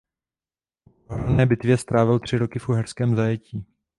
Po prohrané bitvě strávil tři roky v uherském zajetí.